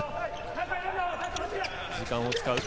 時間を使う。